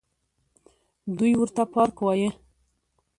دوى ورته پارک وايه.